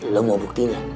lu mau buktinya